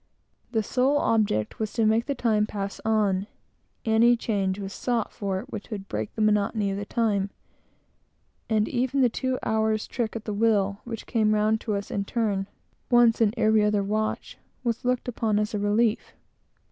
The sole object was to make the time pass on. Any change was sought for, which would break the monotony of the time; and even the two hours' trick at the wheel, which came round to each of us, in turn, once in every other watch, was looked upon as a relief.